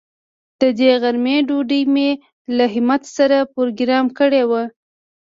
د دې غرمې ډوډۍ مې له همت سره پروگرام کړې وه.